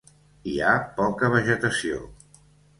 Hi ha poca vegetació.